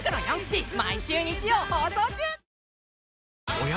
おや？